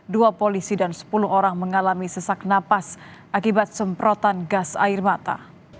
dua polisi dan sepuluh orang mengalami sesak napas akibat semprotan gas air mata